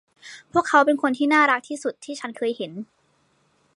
พวกเขาเป็นคนที่น่ารักที่สุดที่ฉันเคยเห็น